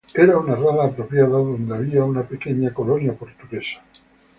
Era una rada apropiada donde había una pequeña colonia portuguesa.